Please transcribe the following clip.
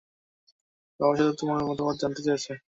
বাবা শুধু তোমার মতামত জানতে চেয়েছে।